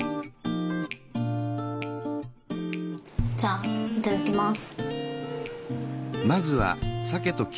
じゃあいただきます。